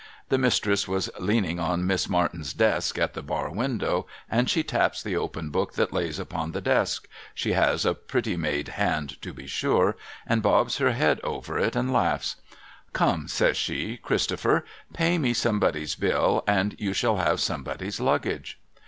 The Mistress was leaning on Miss Martin's desk at the bar window, and she taps the open book that lays upon the desk, — she has a pretty made hand to be sure, — and bobs her head over it and laughs. ' Come,' says she, ' Christofjher. Pay me Somebody's bill, and you shall have Somebody's Luggage.'